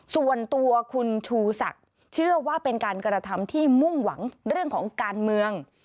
ส่วนตัวคุณชูศักดิ์เชื่อว่าเป็นการกระทำที่มุ่งหวังเรื่องของการเมือง